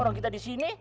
orang kita disini